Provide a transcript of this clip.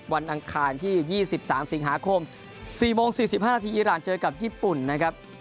อังคารที่๒๓สิงหาคม๔โมง๔๕นาทีอีรานเจอกับญี่ปุ่นนะครับ